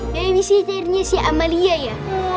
babysitternya si amelia ya